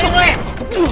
weh motor gua tuh